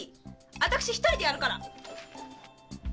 私一人でやるから！